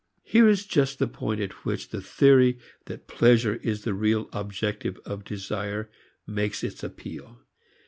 Here is just the point at which the theory that pleasure is the real objective of desire makes its appeal.